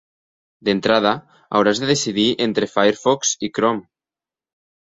D'entrada, hauràs de decidir entre Firefox i Chrome.